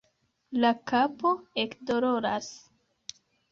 La kapo ekdoloras